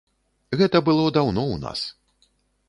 Гэта было даўно ў нас.